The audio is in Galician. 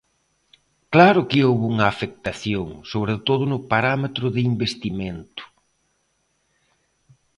¡Claro que houbo unha afectación!, sobre todo no parámetro de investimento.